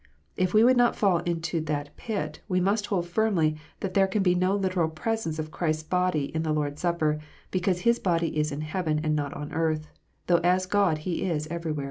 If we would not fall into that pit, we must hold firmly that there can be no literal presence of Christ s body in the Lord s Supper ; because His body is in heaven, and not 011 earth, though as God He is everywhere.